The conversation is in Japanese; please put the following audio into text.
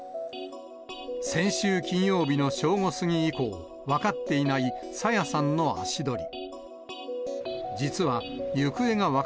先週金曜日の正午過ぎ以降、分かっていない朝芽さんの足取り。